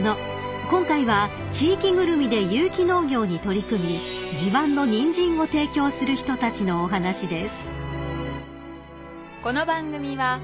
［今回は地域ぐるみで有機農業に取り組み自慢のニンジンを提供する人たちのお話です］